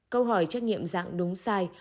câu hỏi trắc nghiệm dạng đúng sai